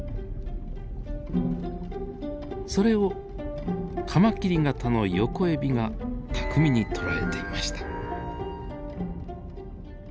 それをカマキリ型のヨコエビが巧みに捕らえていました。